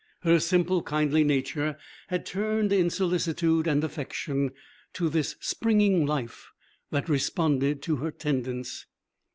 Her simple, kindly nature had turned in solicitude and affection to this springing life that responded to her tendance.